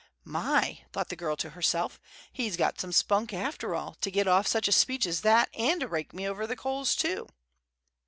"My!" thought the girl to herself, "he's got some spunk, after all, to git off such a speech as that, an' to rake me over the coals, too!"